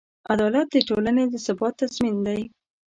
عدالت د ټولنې د ثبات تضمین دی.